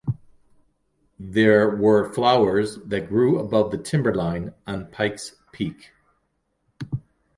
There were flowers that grew above the timberline on Pikes Peak.